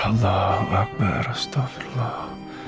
allahu akbar astaghfirullah